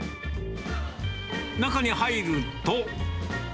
中に入ると。